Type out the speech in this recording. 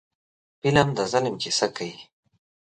فلم د ظلم کیسه کوي